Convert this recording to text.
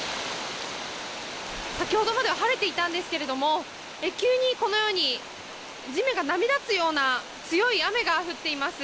先ほどまでは晴れていたんですけれども急に、このように地面が波立つような強い雨が降っています。